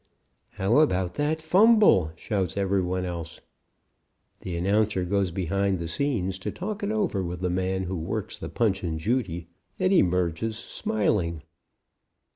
"How about that fumble?" shouts every one else. The announcer goes behind the scenes to talk it over with the man who works the Punch and Judy, and emerges, smiling.